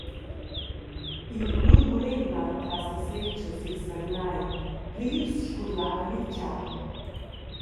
In murmurem mava tras las retschas dils radunai, plirs scurlavan il tgau.